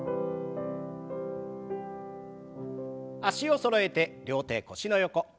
脚をそろえて両手腰の横。